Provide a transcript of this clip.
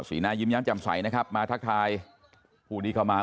สีหน้ายิ้มแย้มจำใสนะครับมาทักทายผู้ที่เข้ามา